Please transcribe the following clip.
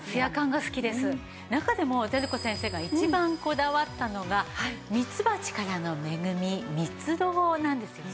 中でも照子先生が一番こだわったのがミツバチからの恵みミツロウなんですよね。